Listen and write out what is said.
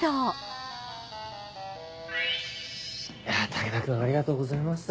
武田君ありがとうございました。